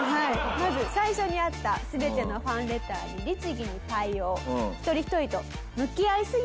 まず最初にあった全てのファンレターに律義に対応。